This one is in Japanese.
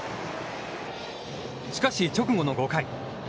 しかし、直後の５回。